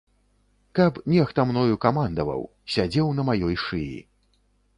Каб нехта мною камандаваў, сядзеў на маёй шыі.